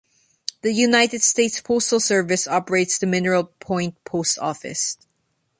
The United States Postal Service operates the Mineral Point Post Office.